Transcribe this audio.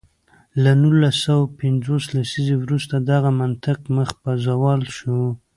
له نولس سوه پنځوس لسیزې وروسته دغه منطق مخ په زوال شو.